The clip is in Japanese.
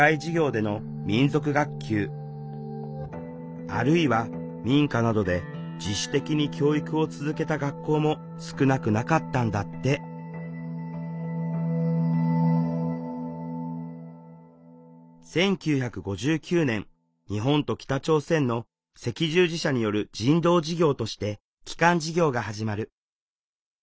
でもその後も民族教育を求める声は強くあるいは民家などで自主的に教育を続けた学校も少なくなかったんだって１９５９年日本と北朝鮮の赤十字社による人道事業として帰還事業が始まる。